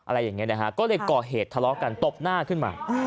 อะไรอย่างนี้นะฮะก็เลยก่อเหตุทะเลาะกันตบหน้าขึ้นมา